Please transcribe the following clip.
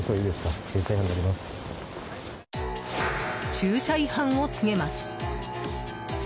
駐車違反を告げます。